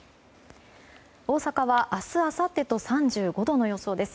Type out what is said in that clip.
大阪は明日あさってと３５度の予想です。